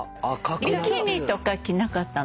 ビキニとか着なかったの？